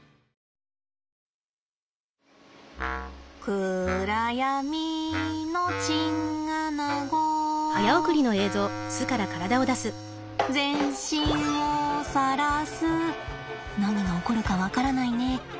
「くらやみのチンアナゴ」「全身をさらす」何が起こるか分からないね。